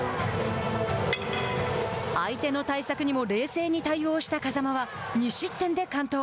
相手の対策にも冷静に対応した風間は２失点で完投。